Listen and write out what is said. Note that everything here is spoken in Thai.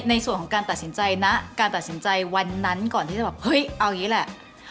ในส่วนของการตัดสินใจนะการตัดสินใจวันนั้นก่อนที่จะแบบเฮ้ยเอาอย่างนี้แหละ